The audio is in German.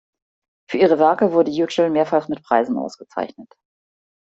Für ihre Werke wurde Yüksel mehrfach mit Preisen ausgezeichnet.